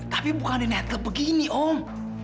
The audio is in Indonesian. tapi bukan di naik teluk begini om